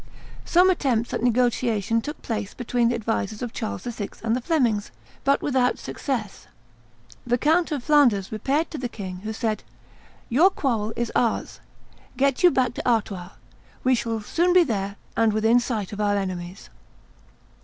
Some attempts at negotiation took place between the advisers of Charles VI. and the Flemings, but without success. The Count of Flanders repaired to the king, who said, "Your quarrel is ours; get you back to Artois; we shall soon be there and within sight of our enemies."